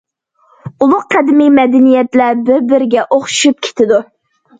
ئۇلۇغ قەدىمىي مەدەنىيەتلەر بىر- بىرىگە ئوخشىشىپ كېتىدۇ.